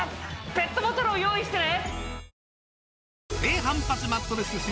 ペットボトルを用意してね